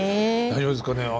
大丈夫ですかね。